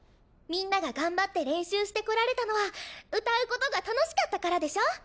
みんなが頑張って練習してこられたのは歌うことが楽しかったからでしょ？